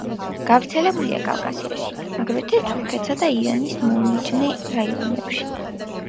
გავრცელებულია კავკასიაში, აგრეთვე თურქეთისა და ირანის მომიჯნავე რაიონებში.